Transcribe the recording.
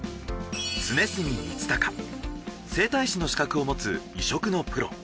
常住充隆整体師の資格を持つ異色のプロ。